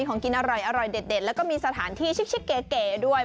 ของกินอร่อยเด็ดแล้วก็มีสถานที่ชิกเก๋ด้วย